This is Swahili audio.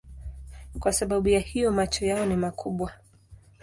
Kwa sababu ya hiyo macho yao ni makubwa.